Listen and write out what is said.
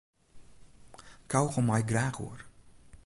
Kaugom mei ik graach oer.